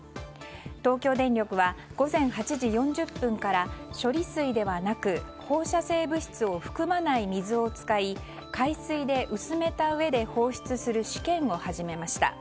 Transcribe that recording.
東京電力は午前８時４０分から処理水ではなく放射性物質を含まない水を使い海水で薄めたうえで放出する試験を始めました。